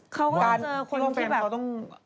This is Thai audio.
เขาก็จะคนที่เขาต้อง